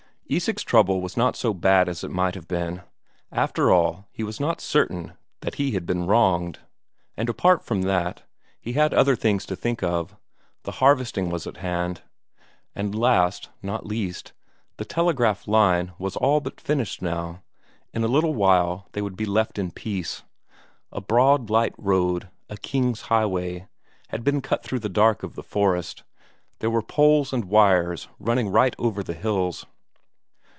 Isak's trouble was not so bad as it might have been; after all, he was not certain that he had been wronged, and apart from that, he had other things to think of; the harvesting was at hand. And last, not least, the telegraph line was all but finished now; in a little while they would be left in peace. A broad light road, a king's highway, had been cut through the dark of the forest; there were poles and wires running right up over the hills.